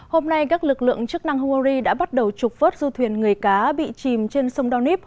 hôm nay các lực lượng chức năng hungary đã bắt đầu trục vớt du thuyền người cá bị chìm trên sông donis